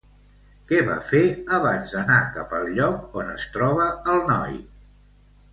Què va fer abans d'anar cap al lloc on es troba el noi?